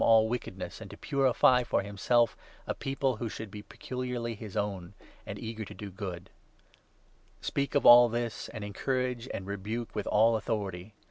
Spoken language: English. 427 all wickedness, and to purify for himself a People who should be peculiarly his own and eager to do good. Directions as Speak of all this, and encourage and rebuke 15 to his with all authority.